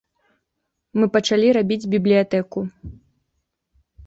Мы пачалі рабіць бібліятэку.